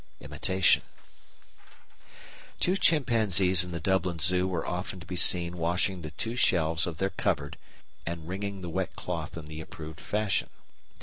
Imitation Two chimpanzees in the Dublin Zoo were often to be seen washing the two shelves of their cupboard and "wringing" the wet cloth in the approved fashion.